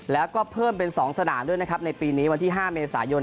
แล้วก็เพิ่มเป็น๒สนามด้วยนะครับในปีนี้วันที่๕เมษายน